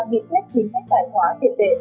nghị quyết chính sách tài khoá tiền tệ